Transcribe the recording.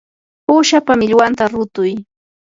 uushapa millwanta rutuy.